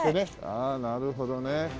ああなるほどね。